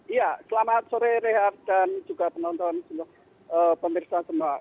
iya selamat sore rehat dan juga penonton pemirsa semua